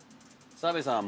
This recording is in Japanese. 澤部さん